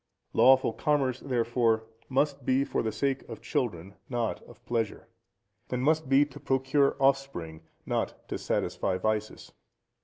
Lawful commerce, therefore, must be for the sake of children, not of pleasure; and must be to procure offspring, not to satisfy vices.